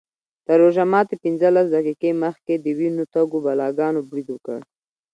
تر روژه ماتي پینځلس دقیقې مخکې د وینو تږو بلاګانو برید وکړ.